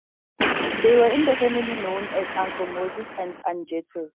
They were in the family known as "Uncle Moses" and "Aunt Jette".